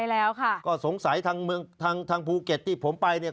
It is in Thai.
แล้วค่ะก็สงสัยทางเมืองทางทางภูเก็ตที่ผมไปเนี่ย